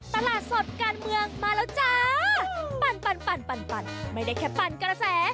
ตลาดสดการเมืองมาแล้วจ้าปั่นปั่นไม่ได้แค่ปั่นกระแส